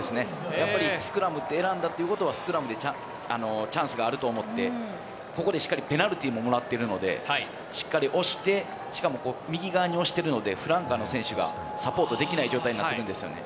やっぱり、スクラムって選んだということは、スクラムでチャンスがあると思って、ここでしっかりペナルティーももらってるので、しっかり押して、しかも、右側に押してるので、フランカーの選手がサポートできない状態になってるんですよね。